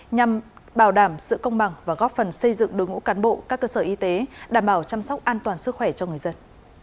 nhằm bảo đảm sự công bằng và góp phần xây dựng đối ngũ cán bộ các cơ sở y tế đảm bảo chăm sóc an toàn sức khỏe cho người dân